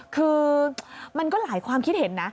คือมันก็หลายความคิดเห็นนะ